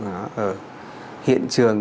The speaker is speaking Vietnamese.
ở hiện trường